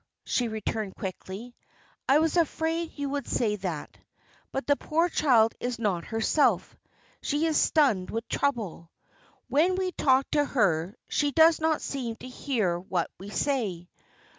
she returned, quickly, "I was afraid you would say that. But the poor child is not herself. She is stunned with trouble. When we talk to her, she does not seem to hear what we say.